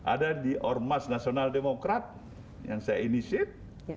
ada di ormas nasional demokrat yang saya inisit